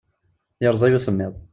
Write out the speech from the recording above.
Yerẓa-yi usemmiḍ.